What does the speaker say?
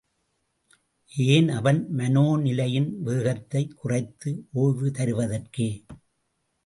ஏன் அவன் மனோநிலையின் வேகத்தைக் குறைத்து ஓய்வு தருவதற்கே.